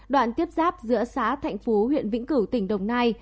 đoạn tiếp giáp giữa xá tp hcm tỉnh đồng nai